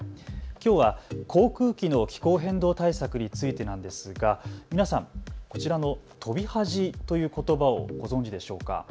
きょうは航空機の気候変動対策についてなんですが、皆さんこちらの飛び恥ということばをご存じでしょうか。